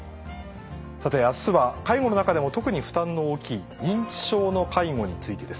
さて明日は介護の中でも特に負担の大きい認知症の介護についてです。